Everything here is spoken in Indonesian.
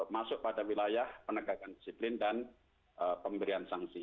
masuk pada wilayah penegakan disiplin dan pemberian sanksi